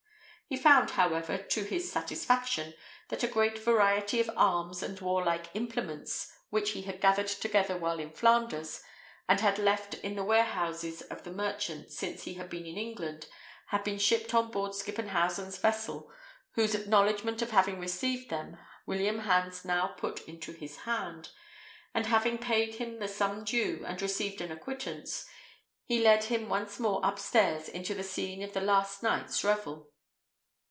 He found, however, to his satisfaction, that a great variety of arms and warlike implements, which he had gathered together while in Flanders, and had left in the warehouses of the merchant since he had been in England, had been shipped on board Skippenhausen's vessel, whose acknowledgment of having received them William Hans now put into his hand; and having paid him the sum due, and received an acquittance, he led him once more upstairs into the scene of the last night's revel.